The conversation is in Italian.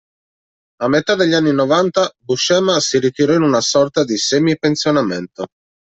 A metà degli anni novanta Buscema si ritirò in una sorta di semi-pensionamento.